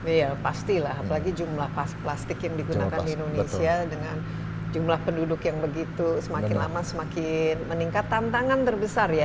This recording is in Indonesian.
iya pastilah apalagi jumlah plastik yang digunakan di indonesia dengan jumlah penduduk yang begitu semakin lama semakin meningkat tantangan terbesar ya